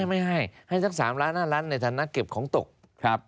ไม่ให้ให้สัก๓ล้าน๕ล้านในฐานะเก็บของตกครับ